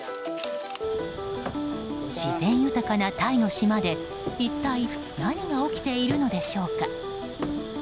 自然豊かなタイの島で一体何が起きているのでしょうか。